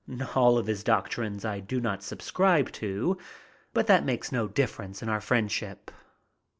All of his doctrines I do not 'subscribe to, but that makes no difference in our friendship.